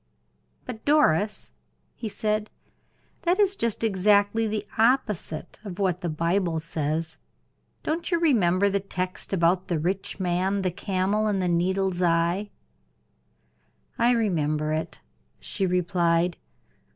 "But Doris," he said, "that is just exactly the opposite of what the Bible says. Don't you remember the text about the rich man, the camel, and the needle's eye?" "I remember it," she replied.